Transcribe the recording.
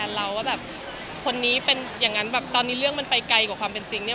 เราว่าแบบคนนี้เป็นอย่างนั้นแบบตอนนี้เรื่องมันไปไกลกว่าความเป็นจริงเนี่ย